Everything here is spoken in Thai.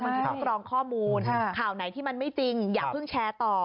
มันจะต้องกรองข้อมูลข่าวไหนที่มันไม่จริงอย่าเพิ่งแชร์ต่อ